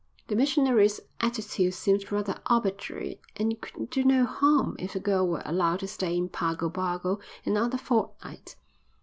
The missionary's attitude seemed rather arbitrary and it could do no harm if the girl were allowed to stay in Pago Pago another fortnight.